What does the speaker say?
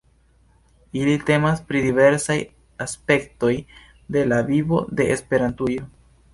Ili temas pri diversaj aspektoj de la vivo de Esperantujo.